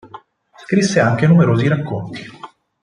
Scrisse anche numerosi racconti.